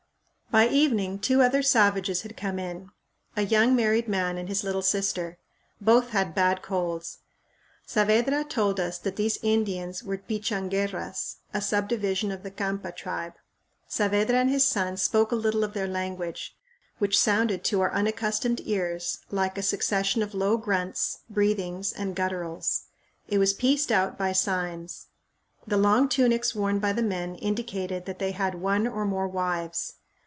By evening two other savages had come in; a young married man and his little sister. Both had bad colds. Saavedra told us that these Indians were Pichanguerras, a subdivision of the Campa tribe. Saavedra and his son spoke a little of their language, which sounded to our unaccustomed ears like a succession of low grunts, breathings, and gutturals. It was pieced out by signs. The long tunics worn by the men indicated that they had one or more wives.